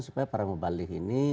supaya para mubalik ini